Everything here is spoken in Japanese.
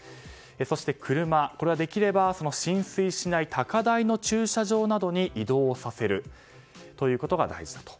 そして車はできれば浸水しない高台の駐車場などに移動させるということが大事だと。